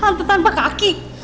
hantu tanpa kaki